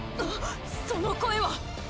その声は！